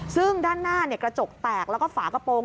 ซึ่งด้านหน้ากระจกแตกแล้วก็ฝากระโปรง